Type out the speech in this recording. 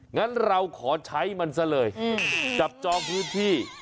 งั้นเราขอใช้มันซะเลยจับจองพื้นที่